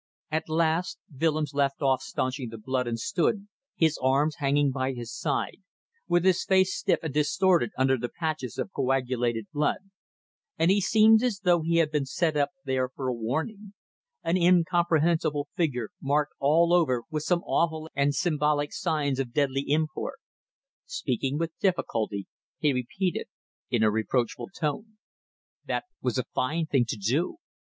At last Willems left off staunching the blood and stood, his arms hanging by his side, with his face stiff and distorted under the patches of coagulated blood; and he seemed as though he had been set up there for a warning: an incomprehensible figure marked all over with some awful and symbolic signs of deadly import. Speaking with difficulty, he repeated in a reproachful tone "That was a fine thing to do."